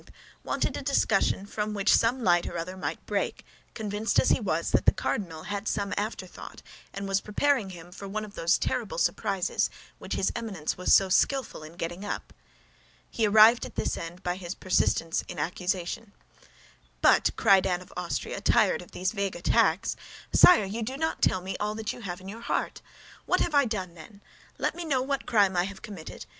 wanted a discussion from which some light or other might break, convinced as he was that the cardinal had some afterthought and was preparing for him one of those terrible surprises which his Eminence was so skillful in getting up. He arrived at this end by his persistence in accusation. "But," cried Anne of Austria, tired of these vague attacks, "but, sire, you do not tell me all that you have in your heart. What have I done, then? Let me know what crime I have committed.